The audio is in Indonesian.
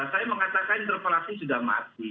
saya mengatakan interpelasi sudah mati